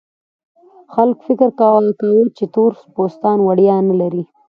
خلک فکر کاوه چې تور پوستان وړتیا نه لري.